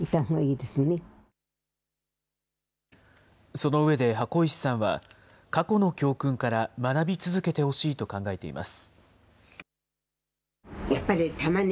その上で箱石さんは、過去の教訓から学び続けてほしいと考えています。